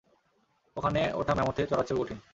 ওখানে ওঠা ম্যামথে চড়ার চেয়েও কঠিন।